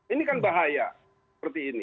ini kan bahaya seperti ini